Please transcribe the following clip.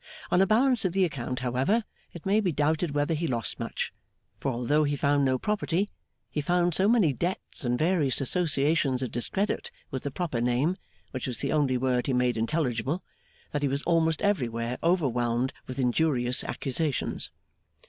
On a balance of the account, however, it may be doubted whether he lost much; for, although he found no property, he found so many debts and various associations of discredit with the proper name, which was the only word he made intelligible, that he was almost everywhere overwhelmed with injurious accusations.